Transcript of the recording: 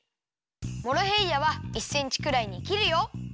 モロヘイヤは１センチくらいにきるよ。